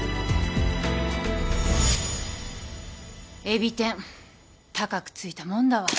海老天高くついたもんだわ。